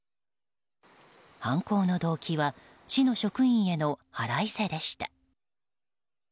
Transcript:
犯行の動機は市の職員への腹いせでした。